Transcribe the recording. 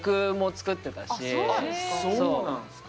あっそうなんですか？